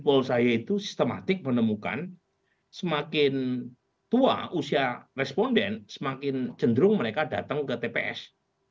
pol saya itu sistematik menemukan semakin tua usia responden semakin cenderung mereka datang ke tps